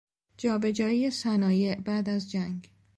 جابجایی صنایع بعد از جنگ